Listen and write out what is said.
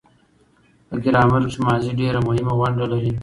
په ګرامر کښي ماضي ډېره مهمه ونډه لري.